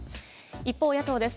一方、野党です。